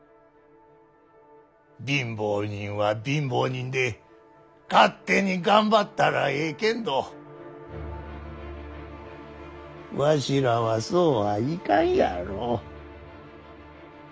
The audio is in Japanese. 貧乏人は貧乏人で勝手に頑張ったらえいけんどわしらはそうはいかんやろう。